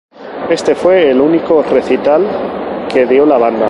Este fue el único recital que dio la banda.